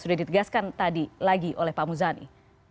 sudah ditegaskan tadi lagi oleh pak muzani